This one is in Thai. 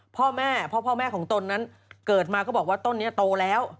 พ่อแม่พ่อพ่อแม่ของตนนั้นเกิดมาก็บอกว่าต้นนี้โตแล้ว